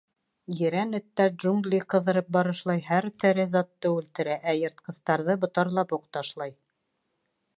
Ерән эттәр джунгли ҡыҙырып барышлай һәр тере затты үлтерә, ә йыртҡыстарҙы ботарлап уҡ ташлай.